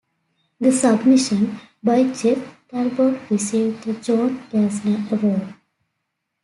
"The Submission" by Jeff Talbot received the John Gassner Award.